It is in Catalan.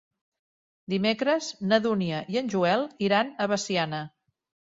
Dimecres na Dúnia i en Joel iran a Veciana.